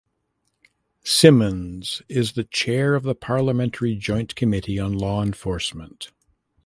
Simmonds is the Chair of the Parliamentary Joint Committee on Law Enforcement